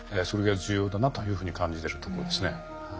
それが重要だなというふうに感じられるところですね。